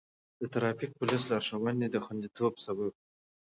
د ټرافیک پولیسو لارښوونې د خوندیتوب سبب دی.